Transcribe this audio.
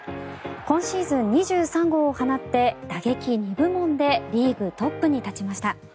今シーズン２３号を放って打撃２部門でリーグトップに立ちました。